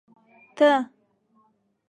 ته